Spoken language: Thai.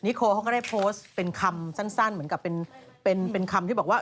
โคเขาก็ได้โพสต์เป็นคำสั้นเหมือนกับเป็นคำที่บอกว่า